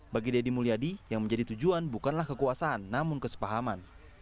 bagi deddy mulyadi yang menjadi tujuan bukanlah kekuasaan namun kesepahaman